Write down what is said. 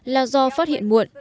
là do phát hiện